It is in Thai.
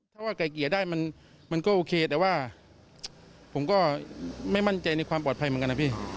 ถ้าว่าไกลเกลี่ยได้มันก็โอเคแต่ว่าผมก็ไม่มั่นใจในความปลอดภัยเหมือนกันนะพี่